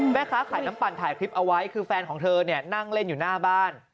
แม่ค้าขายน้ำปั่นถ่ายคลิปเอาไว้คือแฟนของเธอเนี่ยนั่งเล่นอยู่หน้าบ้าน